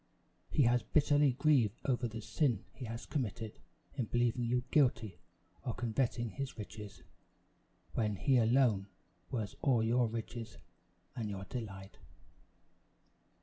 He has bitterly grieved over the sin he has committed in believing you guilty of coveting his riches, when he alone was all your riches and your delight.